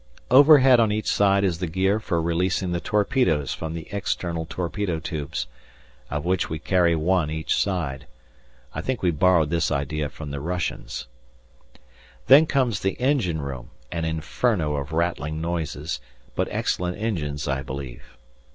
Overhead on each side is the gear for releasing the torpedoes from the external torpedo tubes, of which we carry one each side. I think we borrowed this idea from the Russians. Then comes the engine room, an inferno of rattling noises, but excellent engines, I believe.